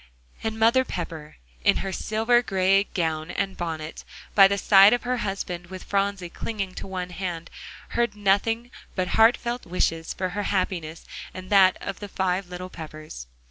And Mother Pepper in her silver gray gown and bonnet, by the side of her husband, with Phronsie clinging to one hand, heard nothing but heart felt wishes for her happiness and that of the five little Peppers.